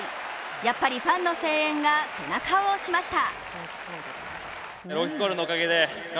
やっぱりファンの声援が背中を押しました。